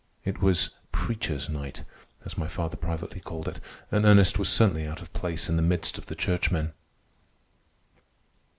It was "preacher's night," as my father privately called it, and Ernest was certainly out of place in the midst of the churchmen.